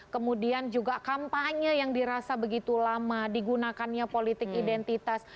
kemudian juga kampanye yang dirasa begitu lama digunakannya politik identitas